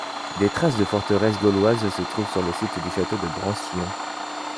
Des traces de forteresse gauloise se trouvent sur le site du château de Brancion.